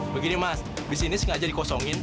begini mas disini sengaja dikosongin